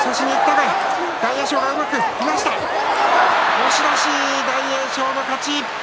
押し出し、大栄翔の勝ち。